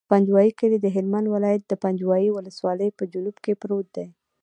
د پنجوایي کلی د هلمند ولایت، پنجوایي ولسوالي په جنوب کې پروت دی.